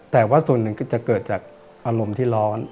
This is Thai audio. แต่ว่าส่วนหนึ่งก็จะเกิดจากอารมณ์ที่ร้อน